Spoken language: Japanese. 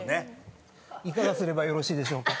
いかがすればよろしいでしょうか？